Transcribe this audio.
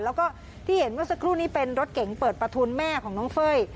แล้วก็ที่เห็นเมื่อสักครู่นี้เป็นรถเก๋งเปิดประทุนแม่ของน้องเฟ้ย